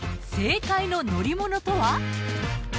正解の乗り物とは？